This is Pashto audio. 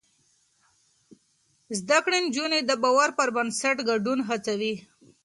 زده کړې نجونې د باور پر بنسټ ګډون هڅوي.